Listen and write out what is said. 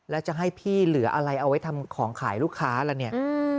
แล้วจะให้พี่เหลืออะไรเอาไว้ทำของขายลูกค้าล่ะเนี่ย